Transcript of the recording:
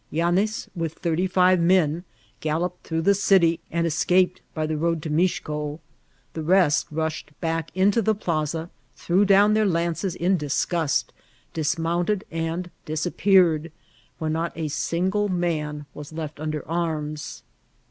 Yanez, with thirty five men, galloped through the city, and escaped by the road to Mixco ; the rest rushed back into the plaza, threw down their lances in disgust, dismounted and disappeared, when not a single man was left under arms.